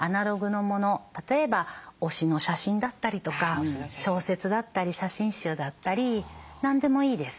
例えば推しの写真だったりとか小説だったり写真集だったり何でもいいです。